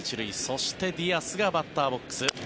そして、ディアスがバッターボックス。